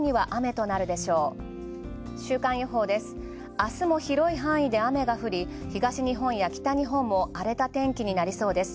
明日も広い範囲で雨が降り、東日本や荒れた天気になりそうです。